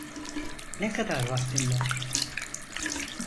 Ne kadar vaktim var?